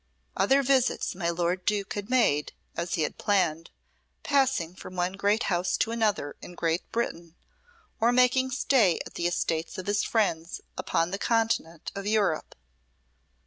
Other visits my lord Duke had made, as he had planned, passing from one great house to another in Great Britain, or making stay at the estates of his friends upon the continent of Europe.